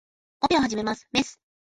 オペを始めます。メス